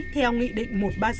theo nghị định một trăm ba mươi sáu